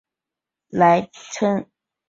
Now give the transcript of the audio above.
来瑱永寿人。